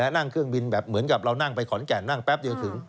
นั่งเครื่องบินแบบเหมือนกับเรานั่งไปขอนแก่นนั่งแป๊บเดียวถึง